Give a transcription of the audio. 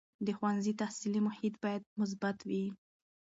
د ښوونځي تحصیلي محیط باید مثبت وي.